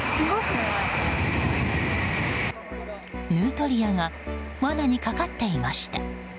ヌートリアが罠にかかっていました。